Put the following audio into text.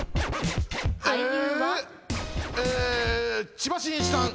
千葉真一さん。